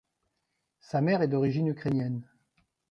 Sa mère est d'origine ukrainienne.